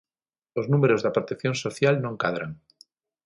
Os números da protección social non cadran.